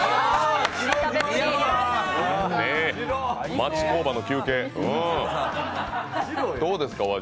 町工場の休憩どうですか、お味。